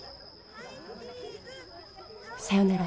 さよなら。